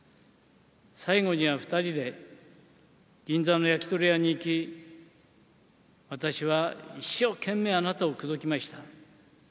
最後には２人で銀座の焼き鳥屋に行き、私は一生懸命あなたを口説きました。